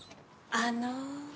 あの。